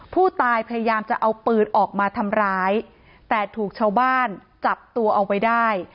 พยายามจะเอาปืนออกมาทำร้ายแต่ถูกชาวบ้านจับตัวเอาไว้ได้